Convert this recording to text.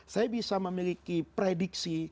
saya bisa memiliki prediksi